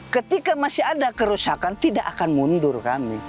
ketika masih ada kerusakan tidak akan mundur kami